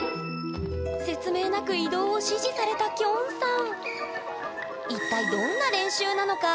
説明なく移動を指示されたきょんさん。